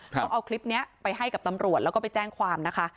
ต้องเอาคลิปนี้ไปให้กับตำรวจแล้วก็ไปแจ้งความนะคะ